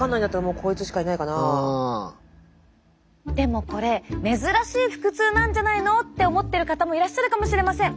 でもこれ珍しい腹痛なんじゃないのって思ってる方もいらっしゃるかもしれません。